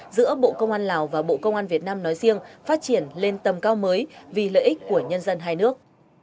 giữa bộ công an lào và bộ công an việt nam nói riêng phát triển lên tầm cao mới vì lợi ích của nhân dân hai nước